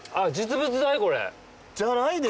じゃないですか？